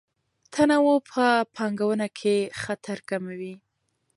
تنوع په پانګونه کې خطر کموي.